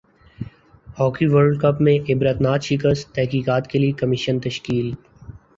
hockey world cup میں عبرتناک شکست تحقیقات کیلئے کمیشن تشکیل